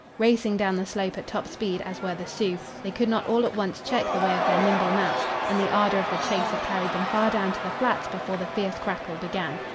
Racing down the slope at top speed as were the Sioux, they could not all at once check the way of their nimble mounts, and the ardor of the chase had carried them far down to the flats before the fierce crackle began.